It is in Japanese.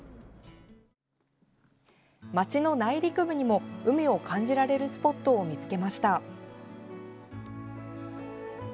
町の内陸部にも、海を感じられるスポットを見つけました。